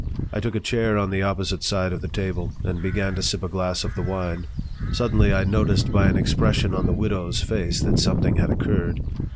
I took a chair on the opposite side of the table and began to sip a glass of the wine. Suddenly I noticed by an expression on the "widow's" face that something had occurred.